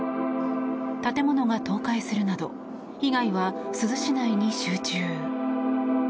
建物が倒壊するなど被害は珠洲市内に集中。